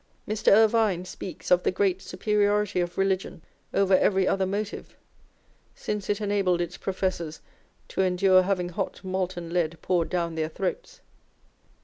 Mr. Irvine speaks of the great superiority of religion over every other motive, since it enabled its professors to " endure having hot molten lead poured down their throats."